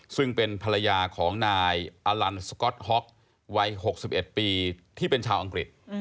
ซึ่งเป็นภรรยาของนายอลันสก๊อตฮ็อกวัย๖๑ปีที่เป็นชาวอังกฤษ